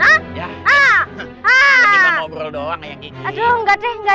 ya udah nanti doain ya perempuan menggantinya